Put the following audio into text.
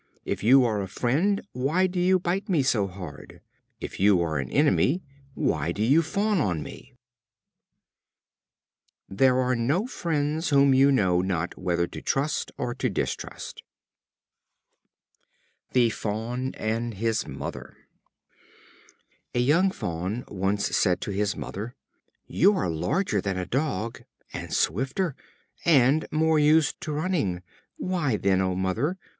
If you are a friend, why do you bite me so hard? If an enemy, why do you fawn on me?" They are no friends whom you know not whether to trust or to distrust. The Fawn and his Mother. A young Fawn once said to his mother: "You are larger than a dog, and swifter, and more used to running; why, then, O Mother!